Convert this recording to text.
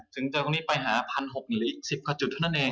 เจอตรงนี้ไปหา๑๖๐๐หรืออีก๑๐กว่าจุดเท่านั้นเอง